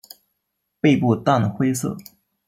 背部淡灰色。